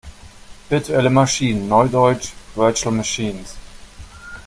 Virtuelle Maschinen, neudeutsch Virtual Machines.